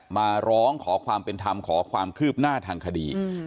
มาร้องขอความเป็นธรรมขอความคืบหน้าทางคดี